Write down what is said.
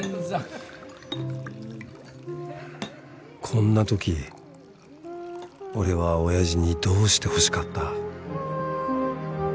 こんなとき俺は親父にどうしてほしかった？